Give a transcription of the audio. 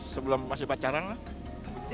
sebelum masih pacaran lah